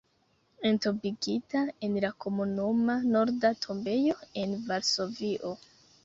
Entombigita en la Komunuma Norda Tombejo en Varsovio.